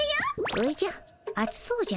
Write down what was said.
おじゃあつそうじゃの。